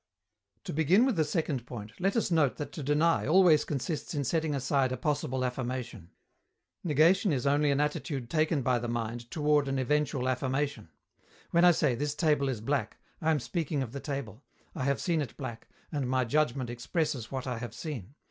To begin with the second point, let us note that to deny always consists in setting aside a possible affirmation. Negation is only an attitude taken by the mind toward an eventual affirmation. When I say, "This table is black," I am speaking of the table; I have seen it black, and my judgment expresses what I have seen.